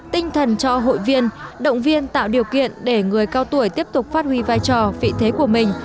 tinh thần cho hội viên động viên tạo điều kiện để người cao tuổi tiếp tục phát huy vai trò vị thế của mình